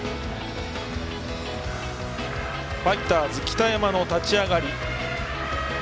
ファイターズ、北山の立ち上がり。